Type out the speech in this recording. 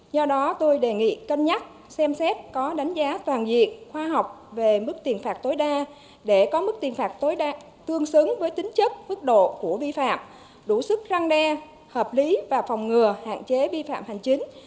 do đó tôi đề nghị cân nhắc xem xét có đánh giá toàn diện khoa học về mức tiền phạt tối đa để có mức tiền phạt tối tương xứng với tính chất mức độ của vi phạm đủ sức răng đe hợp lý và phòng ngừa hạn chế vi phạm hành chính